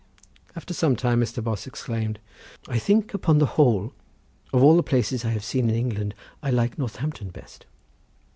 After some time Mr. Bos exclaimed: "I think, upon the whole, of all the places I have seen in England I like Northampton best."